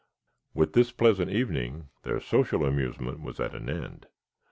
With this pleasant evening their social amusement was at an end.